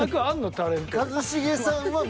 タレント。